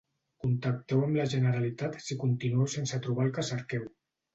Contacteu amb la Generalitat si continueu sense trobar el que cerqueu.